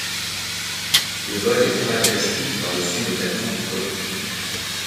Le vol est caractéristique par le son de claquement qu'il produit.